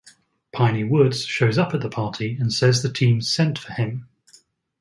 Piney Woods shows up at the party and says the team sent for him.